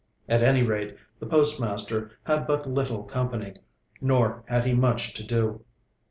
At any rate, the postmaster had but little company; nor had he much to do.